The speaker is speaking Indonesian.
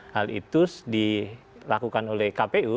hal itu dilakukan oleh kpu